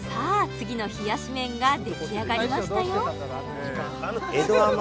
次の冷やし麺が出来上がりましたよ